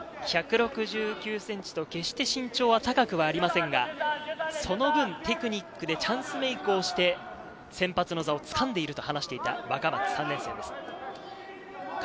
１６９ｃｍと決して身長は高くはありませんが、その分、テクニックでチャンスメークをして、先発の座をつかんでいると話していた若松、３年生です。